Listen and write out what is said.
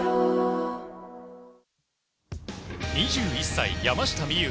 ２１歳、山下美夢